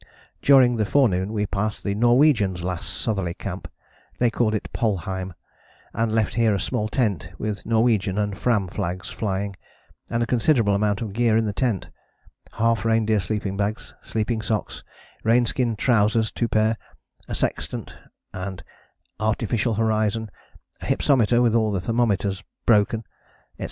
During the forenoon we passed the Norwegians' last southerly camp: they called it Polheim and left here a small tent with Norwegian and Fram flags flying, and a considerable amount of gear in the tent: half reindeer sleeping bags, sleeping socks, reinskin trousers 2 pair, a sextant, and artif[icial] horizon, a hypsometer with all the thermoms broken, etc.